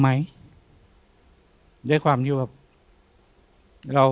พี่น้องรู้ไหมว่าพ่อจะตายแล้วนะ